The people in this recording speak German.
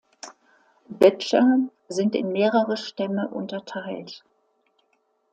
Bedscha sind in mehrere Stämme unterteilt.